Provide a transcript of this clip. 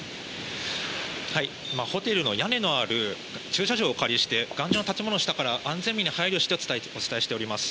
ホテルの屋根のある駐車場をお借りして頑丈な建物の下から安全面に配慮してお伝えしています。